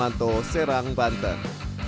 armando serang banten